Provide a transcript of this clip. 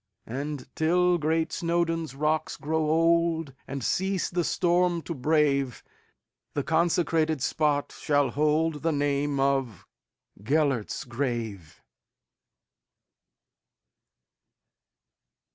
And, till great Snowdon's rocks grow old, And cease the storm to brave, The consecrated spot shall holdThe name of "Gêlert's Grave."